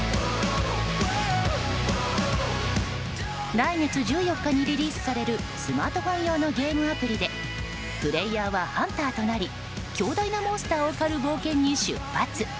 来月１４日にリリースされるスマートフォン用のゲームアプリでプレーヤーはハンターとなり強大なモンスターを狩る冒険に出発。